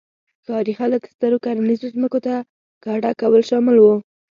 ښاري خلک سترو کرنیزو ځمکو ته کډه کول شامل وو